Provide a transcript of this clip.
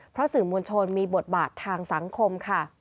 เพราะสื่อมวลชนมีบทบาททางสังคมค่ะ